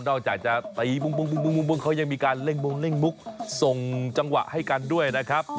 นอกจากจะตีปุ้งเขายังมีการเล่งมุกส่งจังหวะให้กันด้วยนะครับ